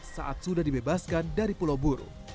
saat sudah dibebaskan dari pulau buru